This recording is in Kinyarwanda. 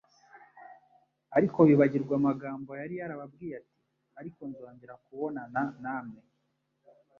Ariko bibagirwa amagambo yari yarababwiye ati: "Ariko nzongera kubonana namwe-